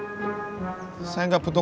ts mama mah penuh